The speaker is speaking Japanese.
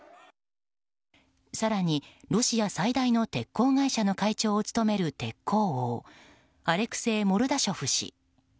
更に、ロシア最大の鉄鋼会社の会長を務める鉄鋼王アレクセイ・モルダショフ氏。